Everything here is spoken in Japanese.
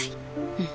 うん。